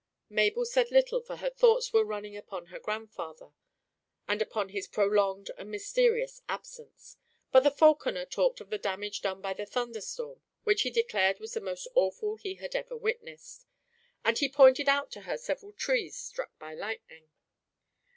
Mabel said little, for her thoughts were running upon her grandfather, and upon his prolonged and mysterious absence; but the falconer talked of the damage done by the thunderstorm, which he declared was the most awful he had ever witnessed; and he pointed out to her several trees struck by the lightning.